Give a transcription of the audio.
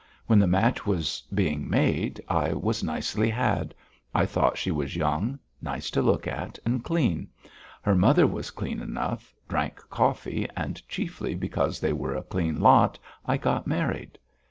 When the match was being made I was nicely had; I thought she was young, nice to look at and clean. Her mother was clean enough, drank coffee and, chiefly because they were a clean lot, I got married.